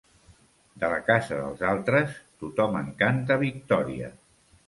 De la casa dels altres, tothom en canta victòria.